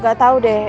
aduh gak tau deh